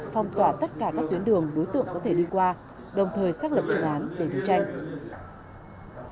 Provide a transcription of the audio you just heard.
phong tỏa tất cả các tuyến đường đối tượng có thể đi qua đồng thời xác lập chủ án về vụ tranh